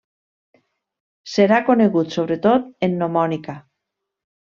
Serà conegut sobretot en gnomònica.